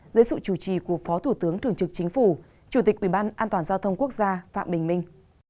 dưới sự chủ trì của phó thủ tướng thường trực chính phủ chủ tịch uban giao thông quốc gia phạm bình minh